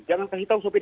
jangan kasih tahu sopir